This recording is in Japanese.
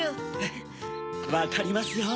フッわかりますよ。